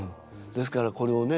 ですからこれをね